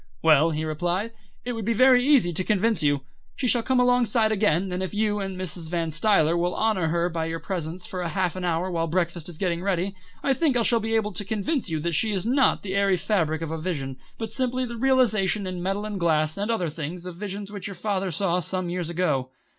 "Well," he replied, "it would be very easy to convince you. She shall come alongside again, and if you and Mrs. Van Stuyler will honour her by your presence for half an hour while breakfast is getting ready, I think I shall be able to convince you that she is not the airy fabric of a vision, but simply the realisation in metal and glass and other things of visions which your father saw some years ago."